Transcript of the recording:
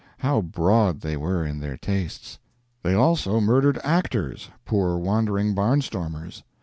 How broad they were in their tastes! They also murdered actors poor wandering barnstormers.